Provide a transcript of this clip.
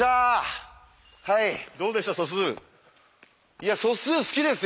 いや素数好きですよ。